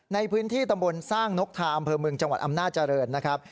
ในพื้นที่ตำบลสร้างนกทาอำเภอเมืองจังหวัดอำนาจริงนะครับ